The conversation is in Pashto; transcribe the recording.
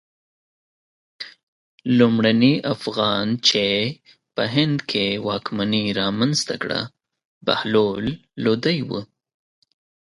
لومړني افغان چې په هند کې واکمني رامنځته کړه بهلول لودی و.